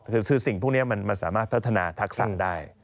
คือสิ่งพวกนี้มันสามารถพัฒนาทักษะได้